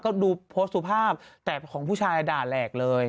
ก็ดูโพสต์สุภาพแต่ของผู้ชายด่าแหลกเลย